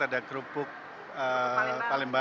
ada kerupuk paling baru